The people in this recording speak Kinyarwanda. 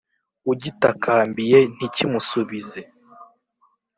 ugitakambiye ntikimusubize,